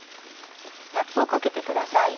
ラップをかけてください。